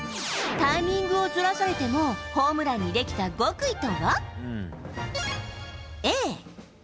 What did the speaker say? タイミングをずらされてもホームランにできた極意とは？